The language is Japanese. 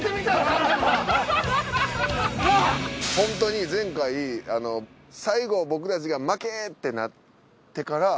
ホントに前回最後僕たちが負けってなってから。